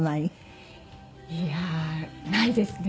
いやあないですね。